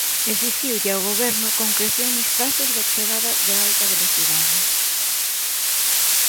Esixiulle ao goberno concreción nos prazos de chagada da alta velocidade.